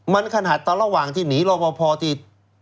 มันขนหัสต่อระหว่างที่หนีโลครพอที่